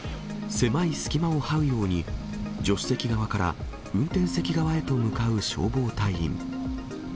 狭い隙間をはうように、助手席側から運転席側へと向かう消防隊員。